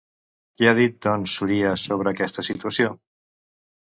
Què ha dit, doncs, Urías sobre aquesta situació?